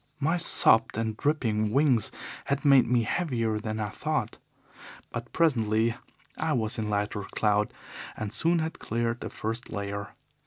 My sopped and dripping wings had made me heavier than I thought, but presently I was in lighter cloud, and soon had cleared the first layer.